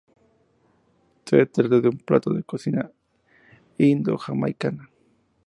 Se trata de un plato de la cocina indo-jamaicana.